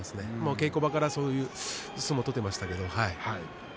稽古場からそういう相撲を取っていましたけど。